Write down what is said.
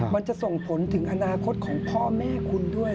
มันจะส่งผลถึงอนาคตของพ่อแม่คุณด้วย